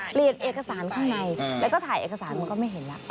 เปลี่ยนเอกสารข้างในแล้วก็ถ่ายเอกสารมันก็ไม่เห็นแล้ว